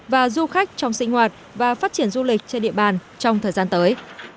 và du khách trong sinh hoạt và phát triển du lịch trên địa bàn trong thời gian tới